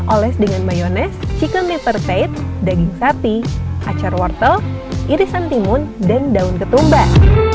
oles dengan mayonese chicken liverted daging sapi acar wortel irisan timun dan daun ketumbar